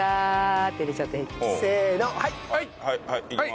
はいはいいきます。